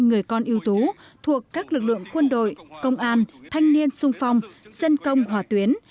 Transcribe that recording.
một hai trăm bốn mươi người con yêu tuyến thuộc các lực lượng quân đội công an thanh niên sung phong dân công hòa tuyến